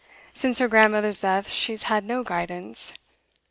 Since her grandmother's death she's had no guidance.